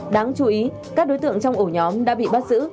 đáng chú ý các đối tượng trong ổ nhóm đã bị bắt giữ